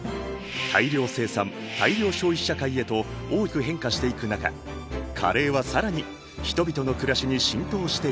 大量生産大量消費社会へと大きく変化していく中カレーは更に人々の暮らしに浸透していった。